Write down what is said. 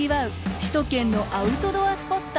首都圏のアウトドアスポット。